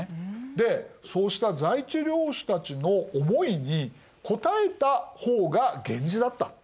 でそうした在地領主たちの思いに応えた方が源氏だった。